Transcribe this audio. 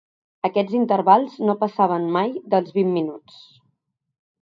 Aquests intervals no passaven mai dels vint minuts.